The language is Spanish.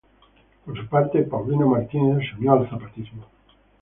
Por su parte, Paulino Martínez se unió al zapatismo.